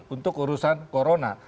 untuk urusan corona